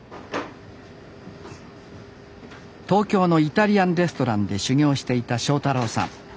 東京のイタリアンレストランで修業をしていた正太郎さん。